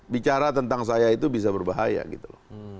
bicara tentang saya itu bisa berbahaya gitu loh